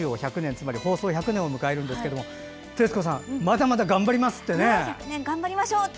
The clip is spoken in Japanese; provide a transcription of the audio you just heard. つまり放送１００年を迎えますが徹子さんはまだまだ頑張りますって。